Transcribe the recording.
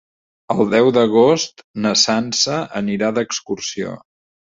El deu d'agost na Sança anirà d'excursió.